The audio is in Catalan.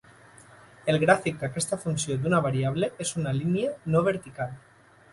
El gràfic d'aquesta funció d'una variable és una línia no vertical.